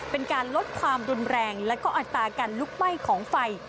เป็นการลดความรุนแรงและก็อัตราการลุกไหม้ของไฟ